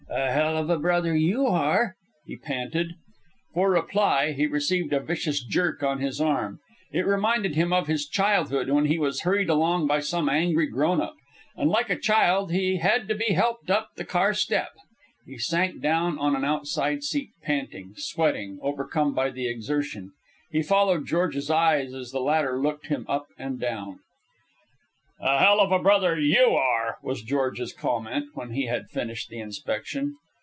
"A hell of a brother YOU are," he panted. For reply, he received a vicious jerk on his arm. It reminded him of his childhood when he was hurried along by some angry grown up. And like a child, he had to be helped up the car step. He sank down on an outside seat, panting, sweating, overcome by the exertion. He followed George's eyes as the latter looked him up and down. "A hell of a brother YOU are," was George's comment when he had finished the inspection.